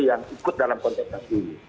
yang ikut dalam konsentrasi